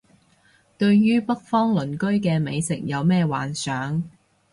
對於北方鄰居嘅美食冇咩幻想